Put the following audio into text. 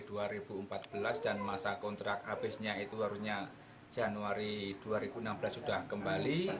dan masa kontrak habisnya itu warunya januari dua ribu enam belas sudah kembali